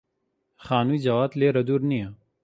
خانووی جەواد لێرە دوور نییە.